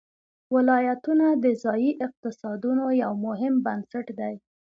ولایتونه د ځایي اقتصادونو یو مهم بنسټ دی.